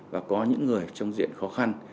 và có những người trong diện khó khăn